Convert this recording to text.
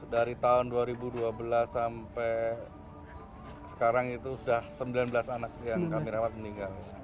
dari tahun dua ribu dua belas sampai sekarang itu sudah sembilan belas anak yang kami rawat meninggal